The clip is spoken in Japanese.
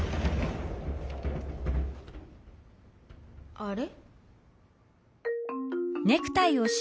あれ？